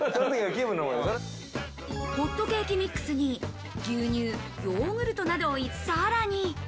ホットケーキミックスに牛乳、ヨーグルトなどを入れ、さらに。